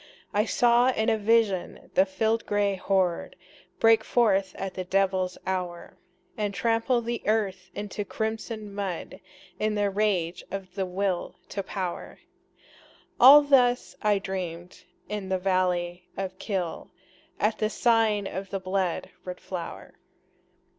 I saw in a vision the field gray horde Break forth at the devil's hour, And trample the earth into crimson mud In the rage of the Will to Power, All this I dreamed in the valley of Kyll, At the sign of the blood red flower.